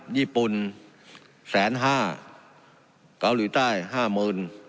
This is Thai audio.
ญี่ปุ่น๑๐๕๐๐๐บาทเกาหลีใต้๕๐๐๐๐บาท